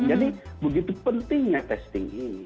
jadi begitu pentingnya testing ini